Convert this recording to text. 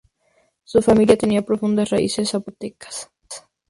Su familia tenía profundas raíces zapotecas.